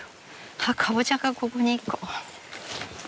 あっかぼちゃがここに一個。